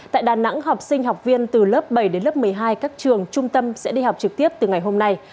tại đà nẵng học sinh học viên từ lớp bảy đến lớp một mươi hai các trường trung tâm sẽ đi học trực tiếp từ ngày hôm nay